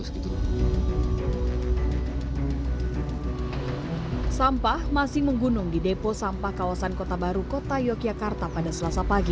sampah masih menggunung di depo sampah kawasan kota baru kota yogyakarta pada selasa pagi